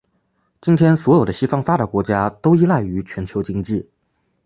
今天所有的西方发达国家都依赖于全球经济。